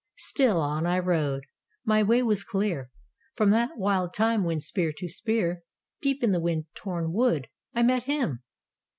Still on I rode. My way was clear From that wild time when, spear to spear, Deep in the wind torn wood, I met him!...